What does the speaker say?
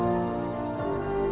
saya tidak tahu